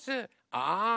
ああ！